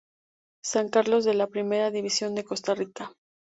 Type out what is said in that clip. San Carlos de la Primera División de Costa Rica.